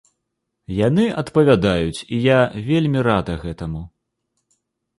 Яны адпавядаюць, і я вельмі рада гэтаму.